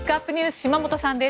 島本さんです。